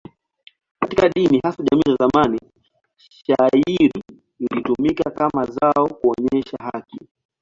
Katika dini, hasa jamii za zamani, shayiri ilitumika kama zao kuonyesha haki.